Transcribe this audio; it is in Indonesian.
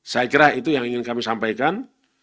saya kira itu yang ingin kami sampaikan